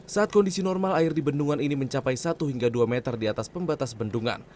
saat kondisi normal air di bendungan ini mencapai satu hingga dua meter di atas pembatas bendungan